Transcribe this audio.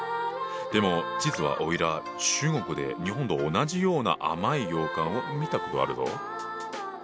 でも実はおいら中国で日本と同じような甘い羊羹を見たことあるぞ。